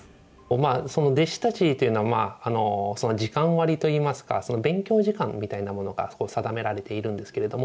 まあその弟子たちというのは時間割りといいますか勉強時間みたいなものが定められているんですけれども。